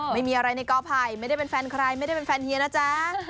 ไม่มีอะไรในกอไผ่ไม่ได้เป็นแฟนใครไม่ได้เป็นแฟนเฮียนะจ๊ะ